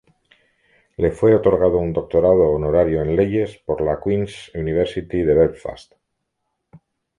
Le fue otorgado un Doctorado honorario en Leyes por la Queen's University de Belfast.